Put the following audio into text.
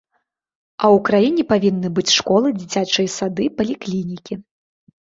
А ў краіне павінны быць школы, дзіцячыя сады, паліклінікі.